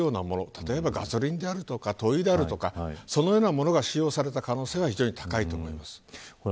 例えばガソリンであるとか灯油であるとかそのようなものが使用された可能性が非常に高いと思います。